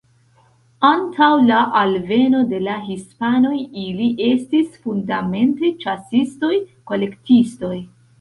Antaŭ la alveno de la hispanoj ili estis fundamente ĉasistoj-kolektistoj.